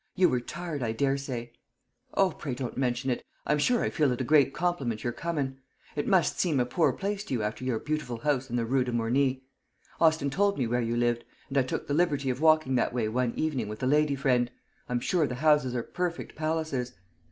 "You were tired, I daresay." "O, pray don't mention it! I'm sure I feel it a great compliment your comin'. It must seem a poor place to you after your beautiful house in the Roo de Morny. Austin told me where you lived; and I took the liberty of walking that way one evening with a lady friend. I'm sure the houses are perfect palaces."